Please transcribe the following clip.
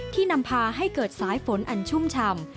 นำพาให้เกิดสายฝนอันชุ่มฉ่ำ